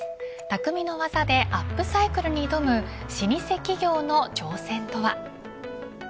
匠の技でアップサイクルに挑む老舗企業の挑戦とは。